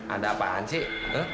ada apaan sih